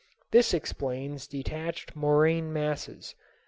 This explains detached moraine masses.